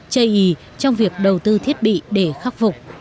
chây ý trong việc đầu tư thiết bị để khắc phục